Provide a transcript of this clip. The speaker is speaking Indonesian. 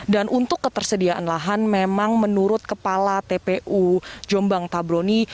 dan untuk ketersediaan lahan memang menurut kepala tpu jombang tabroni